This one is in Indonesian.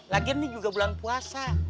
lagian ini juga bulan puasa